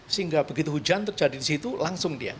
sehingga begitu hujan terjadi disitu langsung dia